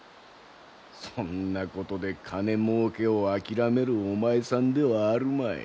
そんなことで金もうけを諦めるお前さんではあるまい。